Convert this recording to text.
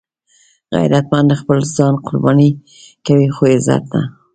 غیرتمند خپل ځان قرباني کوي خو عزت نه